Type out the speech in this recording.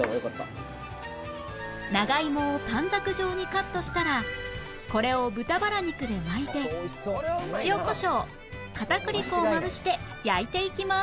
長芋を短冊状にカットしたらこれを豚バラ肉で巻いて塩こしょう片栗粉をまぶして焼いていきます